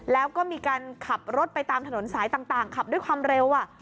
แล้วก็มีการขับรถไปตามถนนสายต่างขับด้วยความเร็ว